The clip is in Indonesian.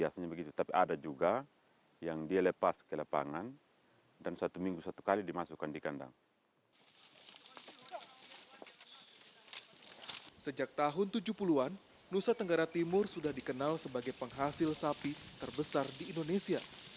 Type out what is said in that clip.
sejak tahun tujuh puluh an nusa tenggara timur sudah dikenal sebagai penghasil sapi terbesar di indonesia